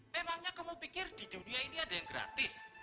memangnya kamu pikir di dunia ini ada yang gratis